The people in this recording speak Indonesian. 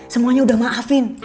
semuanya udah maafin